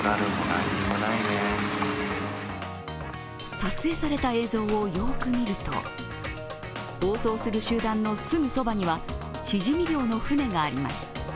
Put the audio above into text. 撮影された映像をよく見ると、暴走する集団のすぐそばにはしじみ漁の船があります。